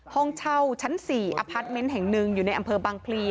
ห้องเช่าชั้น๔อพาร์ทเมนต์แห่งหนึ่งอยู่ในอำเภอบางพลี